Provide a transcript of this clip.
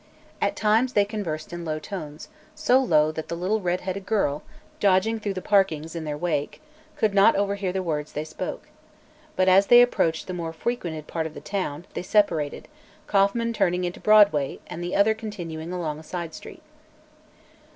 At times they conversed in low tones, so low that the little red headed girl, dodging through the parkings in their wake, could not overhear the words they spoke. But as they approached the more frequented part of the town, they separated, Kauffman turning into Broadway and the other continuing along a side street.